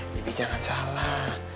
bibi jangan salah